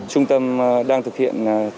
trung tâm đang thực hiện theo quy định